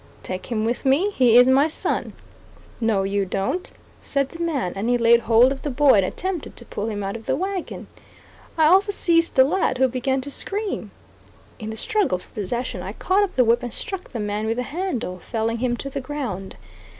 "Take him with me; he is my son." "No you don't," said the man, and he laid hold of the boy and attempted to pull him out of the wagon. I also seized the lad who began to scream. In the struggle for possession, I caught up the whip and struck the man with the handle, felling him to the ground.